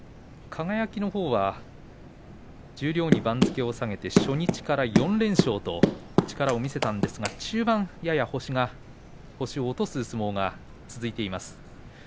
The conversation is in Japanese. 輝のほうは十両に番付を下げて初日から４連勝と、力を見せたんですが中盤やや星を落とす相撲が続いています。